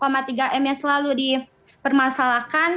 selama tiga m yang selalu dipermasalahkan